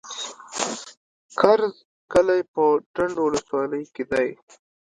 کرز کلی په ډنډ ولسوالۍ کي دی.